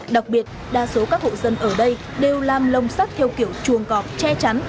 đặc biệt đa số các hộ dân ở đây đều làm lồng sắt theo kiểu chuồng cọp che chắn